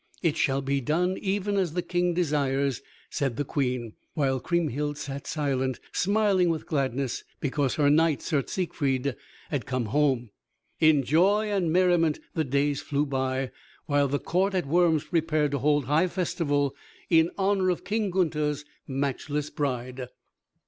"It shall be done even as the King desires," said the Queen, while Kriemhild sat silent, smiling with gladness, because her knight Sir Siegfried had come home. In joy and merriment the days flew by, while the court at Worms prepared to hold high festival in honor of King Gunther's matchless bride.